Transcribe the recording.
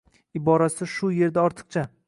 iborasi bu yerda ortiqcha.